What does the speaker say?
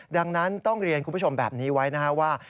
ดังนั้นต้องเรียนคุณผู้ชมแบบนี้ไว้นะครับว่า